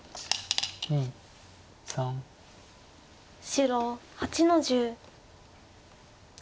白８の十。